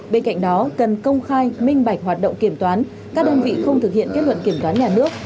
bên cạnh đó cần công khai minh bạch hoạt động kiểm toán các đơn vị không thực hiện kết luận kiểm toán nhà nước